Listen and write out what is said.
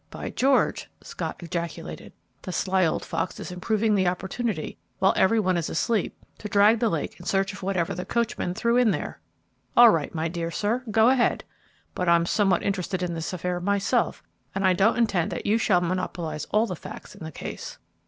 "By George!" Scott ejaculated, "the sly old fox is improving the opportunity, while every one is asleep, to drag the lake in search of whatever the coachman threw in there. All right, my dear sir, go ahead! But I'm somewhat interested in this affair myself, and I don't intend that you shall monopolize all the facts in the case."